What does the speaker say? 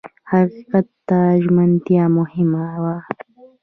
حقیقت ته ژمنتیا مهمه وه.